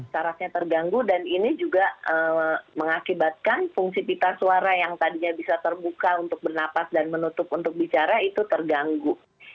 sarafnya terganggu dan ini juga mengakibatkan fungsi pita suara yang tadinya bisa terbuka untuk bernapas dan menutup untuk bicara itu terganggu